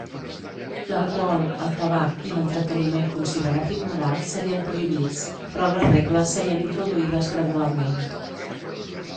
L'alcohol, el tabac i l'entreteniment considerat immoral serien prohibits, però les regles serien introduïdes gradualment.